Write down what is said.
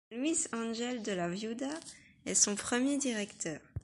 Luís Ángel de la Viuda est son premier directeur.